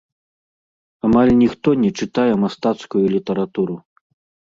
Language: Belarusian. Амаль ніхто не чытае мастацкую літаратуру.